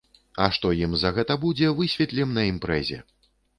А што ім за гэта будзе, высветлім на імпрэзе!